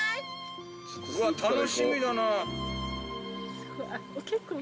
うわ楽しみだな。